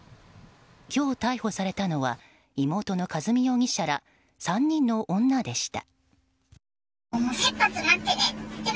今日、逮捕されたのは妹の和美容疑者ら３人の女でした。